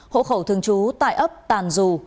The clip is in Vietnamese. hộ khẩu thường trú tại ấp tàn dù